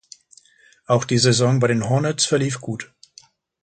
Auch die Saison bei den Hornets verlief gut.